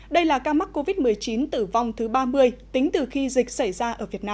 đây là ca mắc covid một mươi chín tử vong thứ ba mươi tính từ khi dịch xảy ra ở việt nam